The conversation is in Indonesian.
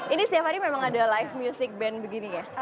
ini setiap hari memang ada live music band begini ya